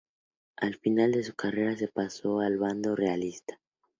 Al final de su carrera se pasó al bando realista.